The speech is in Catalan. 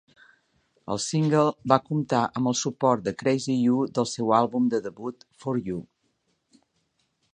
El single va comptar amb el suport de "Crazy You", del seu àlbum de debut, "For You".